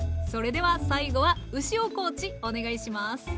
それでは最後は牛尾コーチお願いします。